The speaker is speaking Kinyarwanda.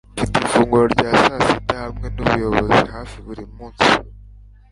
Mfite ifunguro rya sasita hamwe numuyobozi hafi buri munsi